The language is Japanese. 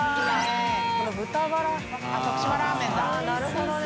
あっなるほどね。